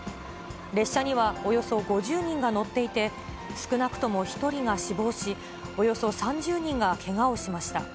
列車にはおよそ５０人が乗っていて、少なくとも１人が死亡し、およそ３０人がけがをしました。